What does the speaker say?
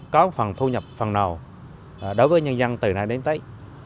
có phần thu nhập phần nào đối với nhân dân từ nam đến tây